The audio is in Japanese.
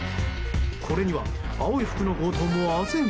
これには青い服の強盗もあぜん。